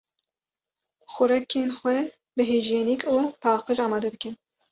Xurekên xwe bi hîjyenîk û paqîj amade bikin.